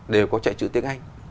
đều có chạy chữ tiếng anh